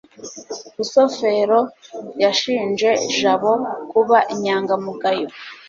rusufero yashinje jabo kuba inyangamugayo